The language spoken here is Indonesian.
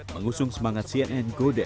mengusung semangat cnn